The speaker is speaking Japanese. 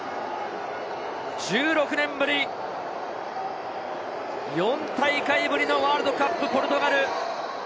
１６年ぶり、４大会ぶりのワールドカップ、ポルトガル。